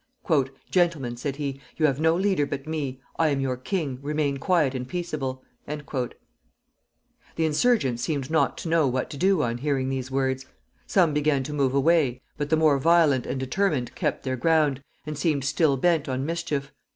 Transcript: "Gentlemen," said he, "you have no leader but me. I am your king. Remain quiet and peaceable." The insurgents seemed not to know what to do on hearing these words. Some began to move away, but the more violent and determined kept their ground, and seemed still bent on mischief.